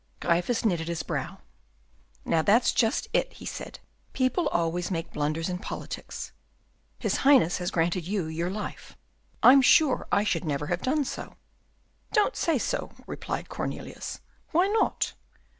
Gryphus knitted his brow. "Now, that's just it," he said, "people always make blunders in politics. His Highness has granted you your life; I'm sure I should never have done so." "Don't say so," replied Cornelius; "why not?"